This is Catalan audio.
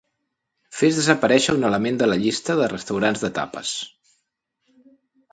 Fes desaparèixer un element de la llista de restaurants de tapes.